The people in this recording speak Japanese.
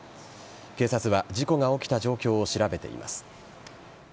警察は事故が起きた状況を調べています。